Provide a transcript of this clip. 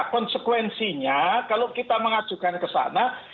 konsekuensinya kalau kita mengajukan ke sana